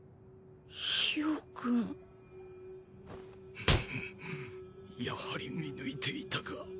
フンやはり見抜いていたか。